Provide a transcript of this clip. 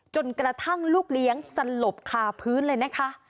จนกระทั่งลูกเลี้ยงสลบคาพื้นเลยนะคะ